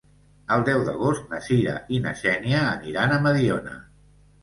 El deu d'agost na Sira i na Xènia aniran a Mediona.